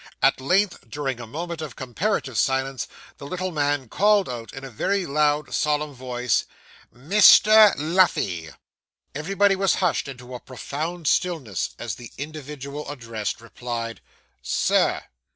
At length, during a moment of comparative silence, the little man called out in a very loud, solemn voice, 'Mr. Luffey!' Everybody was hushed into a profound stillness as the individual addressed, replied 'Sir!